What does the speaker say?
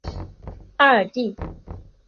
阿尔蒂。